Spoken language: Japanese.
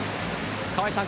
川合さん